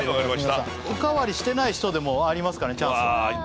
皆さんおかわりしてない人でもありますからねチャンスは。